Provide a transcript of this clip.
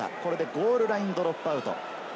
ゴールラインドロップアウト。